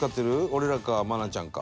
俺らか愛菜ちゃんか。